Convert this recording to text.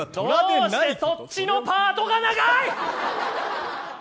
どうしてそっちのパートが長い。